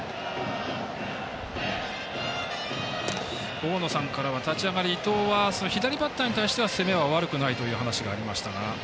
大野さんからは立ち上がり伊藤は左バッターに対しては、攻めは悪くないという話がありましたが。